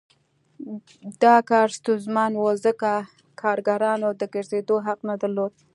دا کار ستونزمن و ځکه کارګرانو د ګرځېدو حق نه درلود